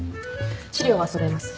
資料は揃えます。